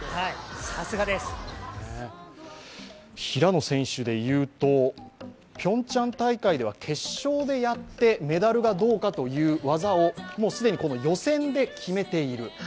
平野選手でいうと、ピョンチャン大会では決勝でやってメダルがどうかという技をもう既に予選で決めている。